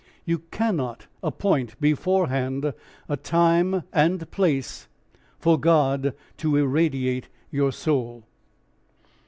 You cannot appoint beforehand a time and place for God to irradiate your soul.